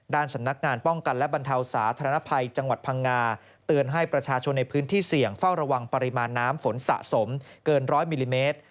สำนักงานป้องกันและบรรเทาสาธารณภัยจังหวัดพังงาเตือนให้ประชาชนในพื้นที่เสี่ยงเฝ้าระวังปริมาณน้ำฝนสะสมเกินร้อยมิลลิเมตร